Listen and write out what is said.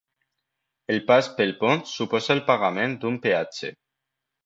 El pas pel pont suposa el pagament d'un peatge.